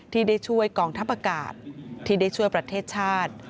ที่ได้ช่วยกองทัพอากาศที่ได้ช่วยประเทศชาติ